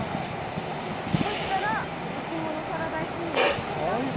そしたらいきものパラダイスになってたっていう。